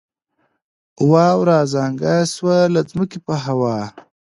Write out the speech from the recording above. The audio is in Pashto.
واوره ازانګه یې شوه له ځمکې په هوا